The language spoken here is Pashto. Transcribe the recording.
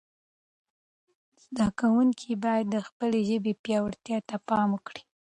زده کوونکي باید د خپلې ژبې پياوړتیا ته پام وکړي.